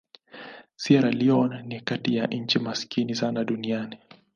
Sierra Leone ni kati ya nchi maskini sana duniani.